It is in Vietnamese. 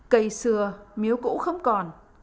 cây xưa miếu cũ không còn